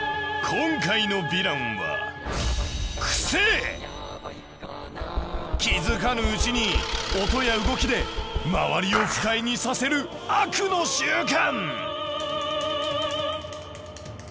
今回のヴィランは気付かぬうちに音や動きで周りを不快にさせる悪の習慣。